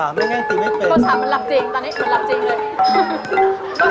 ๓ไม่ง่ายไม่เป็น